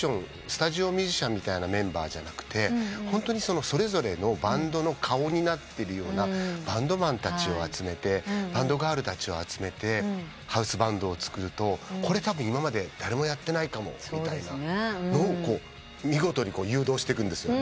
スタジオミュージシャンみたいなメンバーじゃなくてホントにそれぞれのバンドの顔になってるようなバンドマンたちバンドガールたちを集めてハウスバンドを作るとこれたぶん今まで誰もやってないかもみたいなのを見事に誘導してくんですよ。